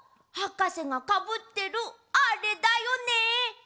はかせがかぶってるあれだよね！